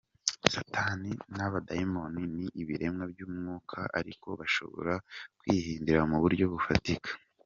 Satani n’abadayimoni ni ibiremwa by’umwuka ariko bashobora kwihindura mu buryo bufatika.